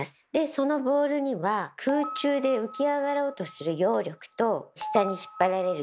そのボールには空中で浮き上がろうとする「揚力」と下に引っ張られる「重力」